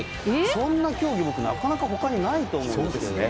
そんな競技、他になかなかないと思うんですよね。